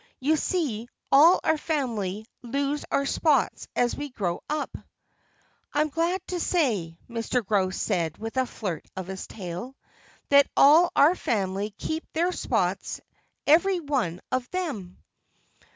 "You see, all our family lose our spots as we grow up." "I'm glad to say," Mr. Grouse said with a flirt of his tail, "that all our family keep their spots, every one of them."